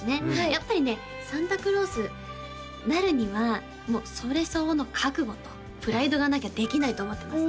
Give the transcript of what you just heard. やっぱりねサンタクロースなるにはそれ相応の覚悟とプライドがなきゃできないと思ってます